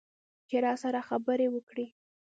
چې راسره خبرې وکړي.